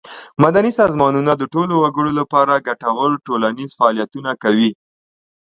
مدني سازمانونه د ټولو وګړو له پاره ګټور ټولنیز فعالیتونه کوي.